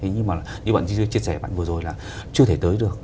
như bạn chia sẻ vừa rồi là chưa thể tới được